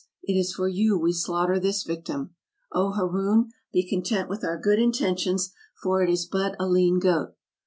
it is for you we slaughter this victim ! O Haroun, be content with our good intentions, for it is but a lean goat!